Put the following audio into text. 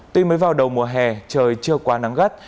tuy mới vào đầu mùa hè trời chưa quá nắng gắt